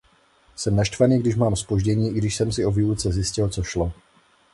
Jsem naštvaný když mám zpoždění i když jsem si o výluce zjistil co šlo.